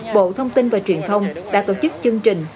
bộ thông tin và truyền thông đã tổ chức chương trình